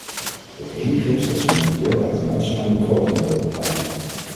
Het enige is dat ze momenteel uit de nationale begrotingen worden betaald.